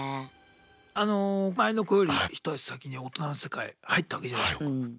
周りの子より一足先に大人の世界入ったわけじゃないショウくん。